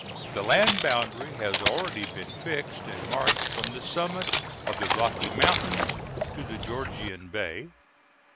The land boundary has already been fixed and marked from the summit of the Rocky Mountains to the Georgian Bay.